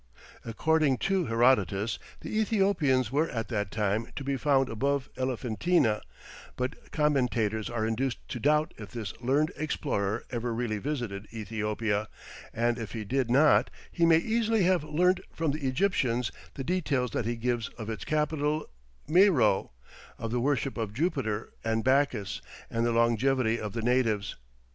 According to Herodotus the Ethiopians were at that time to be found above Elephantina, but commentators are induced to doubt if this learned explorer ever really visited Ethiopia, and if he did not, he may easily have learnt from the Egyptians the details that he gives of its capital, Meroe, of the worship of Jupiter and Bacchus, and the longevity of the natives.